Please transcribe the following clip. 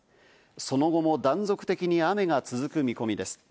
その後も断続的に雨が続く見込みです。